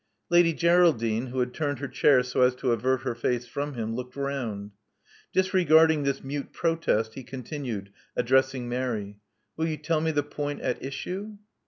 Lady Geraldine, who had turned her chair so as to avert her face from him, looked round/ Disregarding this mute protest, he continued, addressing Mary. Will you tell me the point at issue?"